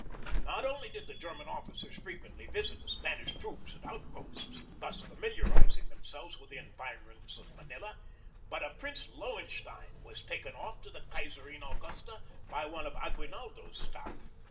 Not only did the German officers frequently visit the Spanish troops and outposts, thus familiarizing themselves with the environs of Manila, but a Prince Lowenstein was taken off to the Kaiserin Augusta by one of Aguinaldo's staff.